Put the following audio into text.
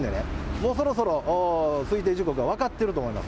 もうそろそろ推定時刻が分かっていると思います。